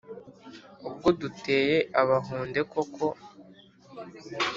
Ubwo duteye Abahunde koko